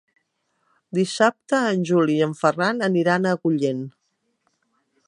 Dissabte en Juli i en Ferran aniran a Agullent.